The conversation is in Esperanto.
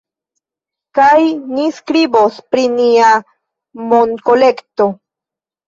Kaj ni skribos pri nia monkolekto